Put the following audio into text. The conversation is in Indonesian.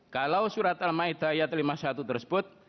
kalau surat al ma'idah lima puluh satu tersebut